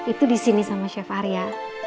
itu disini sama chef arya